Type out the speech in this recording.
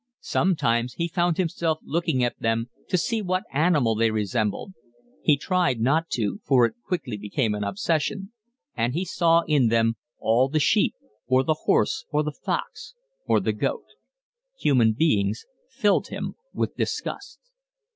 Sometimes he found himself looking at them to see what animal they resembled (he tried not to, for it quickly became an obsession,) and he saw in them all the sheep or the horse or the fox or the goat. Human beings filled him with disgust.